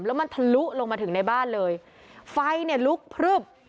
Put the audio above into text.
แล้วมันทะลุลงมาถึงในบ้านเลยไฟเนี่ยลุกพลึบ